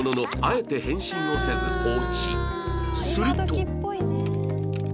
すると